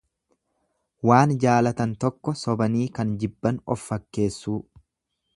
Waan jaalatan tokko sobanii kan jibban of fakkeessuu.